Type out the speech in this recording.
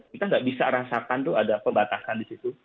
kita tidak bisa merasakan ada pembatasan di situ